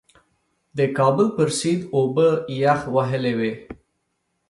د کابل پر سیند اوبه یخ وهلې وې.